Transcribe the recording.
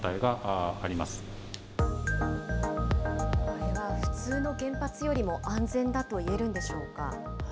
これは普通の原発よりも安全だといえるんでしょうか。